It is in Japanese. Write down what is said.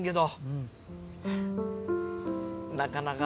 なかなか。